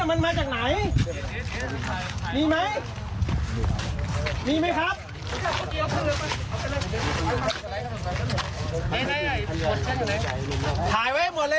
มันไม่ใช่เรื่องเข้าใจเปล่า